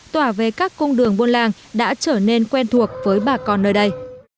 tỏa về các cung đường buôn làng đã trở nên quen thuộc với bà con nơi đây